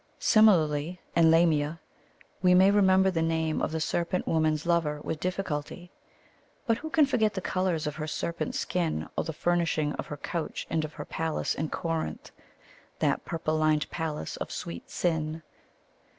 Similarly, in Lamia, we may remember the name of the serpent woman's lover with difficulty; but who can forget the colours of her serpent skin or the furnishing of her couch and of her palace in Corinth: That purple lined palace of sweet sin?